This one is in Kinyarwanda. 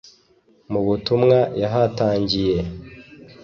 Mu butumwa yahatangiye